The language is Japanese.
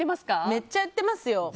めっちゃ言ってますよ。